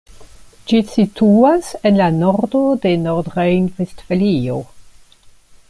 Ĝi situas en la nordo de Nordrejn-Vestfalio.